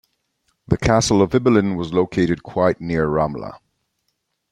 The castle of Ibelin was located quite near Ramla.